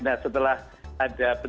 nah setelah ada penelitian